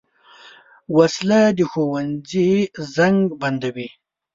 وسله د ښوونځي زنګ بندوي